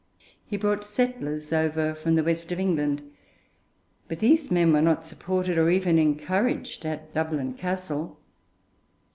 He brought settlers over from the West of England, but these men were not supported or even encouraged at Dublin Castle.